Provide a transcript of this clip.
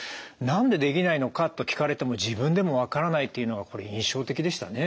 「なんでできないのか」と聞かれても自分でも分からないというのはこれ印象的でしたね。